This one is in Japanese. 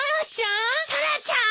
タラちゃーん？